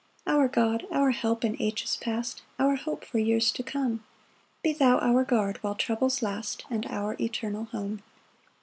] 9 Our God, our help in ages past, Our hope for years to come, Be thou our guard while troubles last, And our eternal home.